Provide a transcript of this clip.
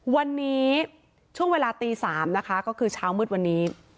วันนี้ช่วงเวลาตี๓นะคะก็คือเช้ามืดวันนี้